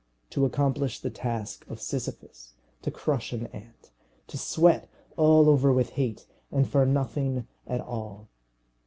To accomplish the task of Sisyphus, to crush an ant; to sweat all over with hate, and for nothing at all.